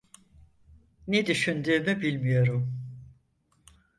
Ne düşündüğümü bilmiyorum.